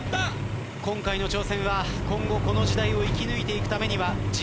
今回の挑戦は今後この時代を生き抜いていくためには。